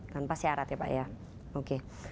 tanpa syarat ya pak ya oke